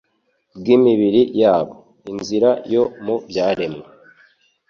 bw’imibiri yabo. Inzira yo mu Byaremwe